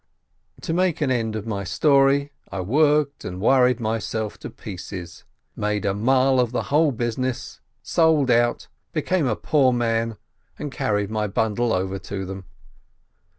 To make an end of my story, I worked and worried myself to pieces, made a mull of the whole business, sold out, became a poor man, and carried my bundle over to them.